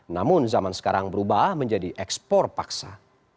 namun zaman sekarang berubah menjadi ekspor paksa